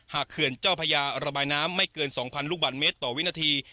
เขื่อนเจ้าพญาระบายน้ำไม่เกิน๒๐๐ลูกบาทเมตรต่อวินาที